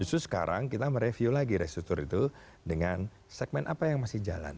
justru sekarang kita mereview lagi restruktur itu dengan segmen apa yang masih jalan